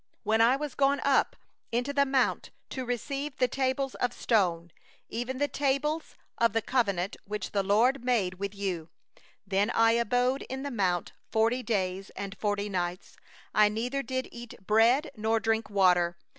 9When I was gone up into the mount to 9 receive the tables of stone, even the tables of the covenant which the LORD made with you, then I abode in the mount forty days and forty nights; I did neither eat bread nor drink water.